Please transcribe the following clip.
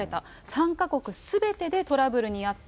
３か国すべてでトラブルに遭った。